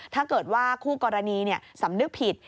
ถ้าเกิดว่าคู่กรณีสำนึกผิด